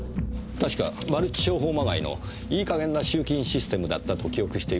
確かマルチ商法まがいのいい加減な集金システムだったと記憶しています。